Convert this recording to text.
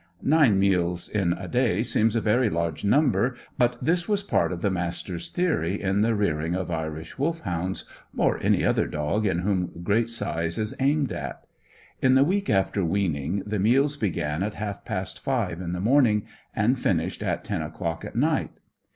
Nine meals in a day seems a very large number, but this was part of the Master's theory in the rearing of Irish Wolfhounds, or any other dog in whom great size is aimed at. In the week after weaning the meals began at half past five in the morning and finished at ten o'clock at night.